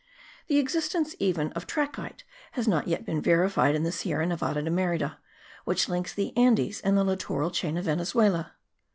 The existence even of trachyte has not yet been verified in the Sierra Nevada de Merida which links the Andes and the littoral chain of Venezuela.